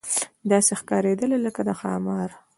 داسې ښکارېدله لکه د ښامار.